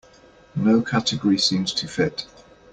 No category seems to fit.